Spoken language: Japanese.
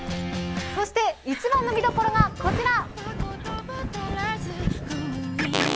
そして一番の見どころがこちら！